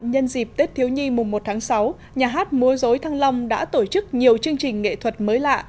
nhân dịp tết thiếu nhi mùa một tháng sáu nhà hát mua rối thăng long đã tổ chức nhiều chương trình nghệ thuật mới lạ